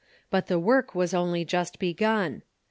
But the work was only just begun.